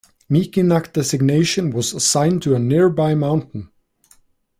Mikinak designation was assigned to a nearby mountain.